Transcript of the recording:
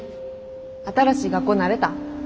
新しい学校慣れた？